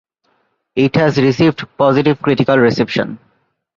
It has received positive critical reception.